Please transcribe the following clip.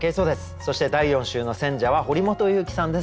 そして第４週の選者は堀本裕樹さんです。